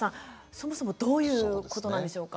そもそもどういうことなんでしょうか？